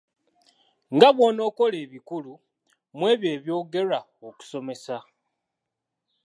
Nga bw’onokola ebikulu mw’ebyo ebyogerwa omusomesa.